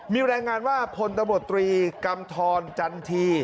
มีรายงานว่าพลตำรวจตรีกำทรจันที